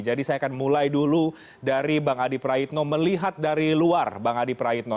jadi saya akan mulai dulu dari bang adi praitno melihat dari luar bang adi praitno